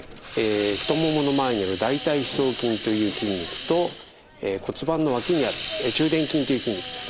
太ももの前にある大腿四頭筋という筋肉と骨盤の脇にある中殿筋という筋肉ですね。